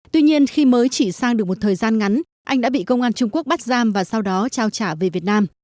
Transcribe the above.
tuy nhiên khi mới chỉ sang được một thời gian ngắn anh đã bị công an trung quốc bắt giam và sau đó trao trả về việt nam